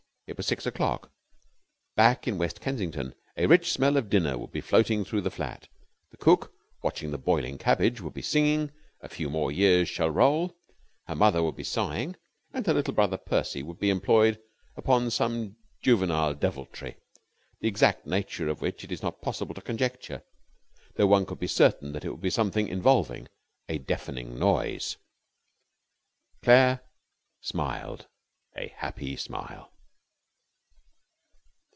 It was six o'clock. Back in West Kensington a rich smell of dinner would be floating through the flat; the cook, watching the boiling cabbage, would be singing "A Few More Years Shall Roll"; her mother would be sighing; and her little brother Percy would be employed upon some juvenile deviltry, the exact nature of which it was not possible to conjecture, though one could be certain that it would be something involving a deafening noise. Claire smiled a happy smile.